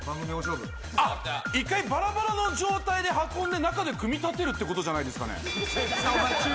１回バラバラの状態で箱で中で組み立てるってことじゃないですかね。